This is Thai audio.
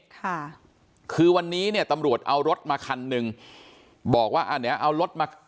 ค่ะคือวันนี้เนี่ยตำรวจเอารถมาคันหนึ่งบอกว่าอ่าเดี๋ยวเอารถมา